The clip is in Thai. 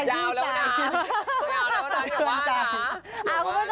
ยาวแล้วนะอย่าว่านะ